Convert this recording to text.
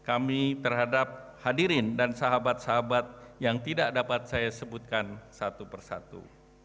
saya ingin mengucapkan terima kasih kepada penduduk dan sahabat sahabat yang tidak dapat saya sebutkan satu persatu